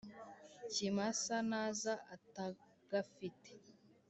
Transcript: kimasa naza atagafite